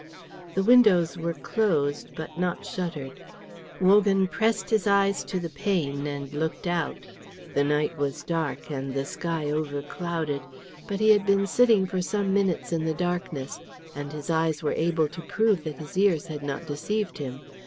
The windows were closed, but not shuttered. Wogan pressed his eyes to the pane and looked out. The night was dark, and the sky overclouded. But he had been sitting for some minutes in the darkness, and his eyes were able to prove that his ears had not deceived him.